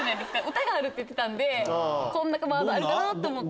歌があるって言ってたんでこんなワードあるかなと思って。